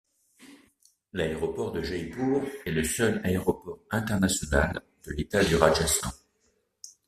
L'aéroport de Jaipur est le seul aéroport international de l'état du Rajasthan.